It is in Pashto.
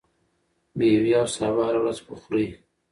ميوې او سابه هره ورځ وخورئ.